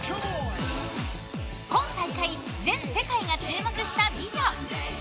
今大会、全世界が注目した美女。